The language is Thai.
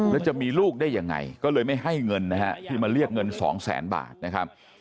แล้วจะมีลูกได้ยังไงก็เลยไม่ให้เงินนะฮะที่มาเรียกเงินสองแสนบาทนะครับ